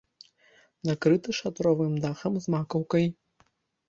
Накрыта шатровым дахам з макаўкай.